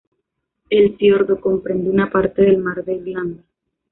El fiordo comprende una parte del mar de Irlanda.